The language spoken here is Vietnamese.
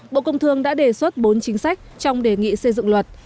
bộ công thương đã đề xuất bốn chính sách trong đề nghị xây dựng luật